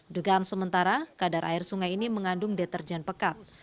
dugaan sementara kadar air sungai ini mengandung deterjen pekat